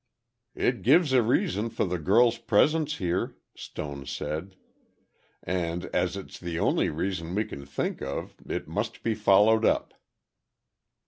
"It gives a reason for the girl's presence here," Stone said, "and as it's the only reason we can think of, it must be followed up."